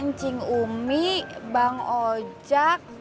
ncing umi bang ojak